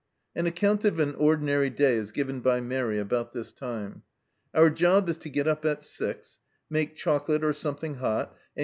An account of an ordinary day is given by Mairi about this time. " Our job is to get up at six, make chocolate or something hot, and keep it served 1.